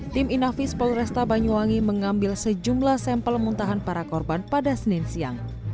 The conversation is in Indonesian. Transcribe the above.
tim inafis polresta banyuwangi mengambil sejumlah sampel muntahan para korban pada senin siang